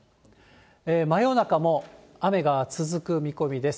真夜中も雨が続く見込みです。